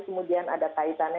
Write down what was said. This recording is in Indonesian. kemudian ada kaitannya